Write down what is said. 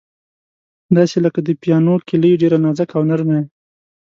داسې لکه د پیانو کیلۍ، ډېره نازکه او نرمه یې.